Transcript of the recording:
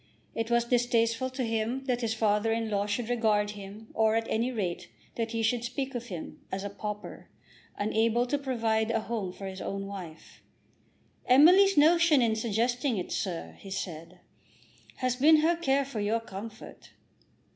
It was distasteful to him that his father in law should regard him, or, at any rate, that he should speak of him, as a pauper, unable to provide a home for his own wife. "Emily's notion in suggesting it, sir," he said, "has been her care for your comfort."